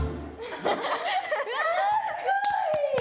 うわすごい！